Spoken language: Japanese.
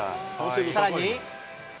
さらに。